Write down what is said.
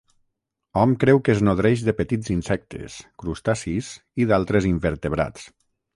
Hom creu que es nodreix de petits insectes, crustacis i d'altres invertebrats.